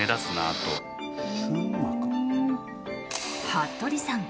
服部さん